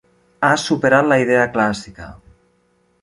Ha superat la idea clàssica...